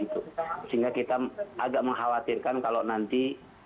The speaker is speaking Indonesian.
sehingga kita agak mengkhawatirkan kalau nanti